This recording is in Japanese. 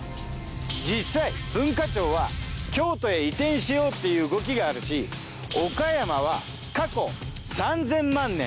実際文化庁は京都へ移転しようっていう動きがあるし岡山は過去３０００万年